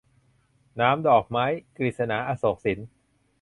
หนามดอกไม้ - กฤษณา อโศกสิน